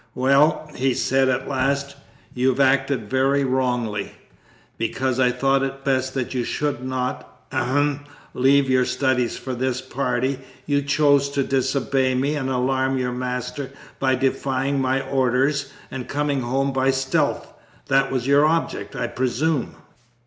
"Well," he said at last, "you've acted very wrongly. Because I thought it best that you should not ahem, leave your studies for this party, you chose to disobey me and alarm your master by defying my orders and coming home by stealth that was your object, I presume?"